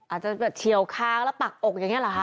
อาจจะเฉียวค้างแล้วปักอกอย่างนี้หรอคะ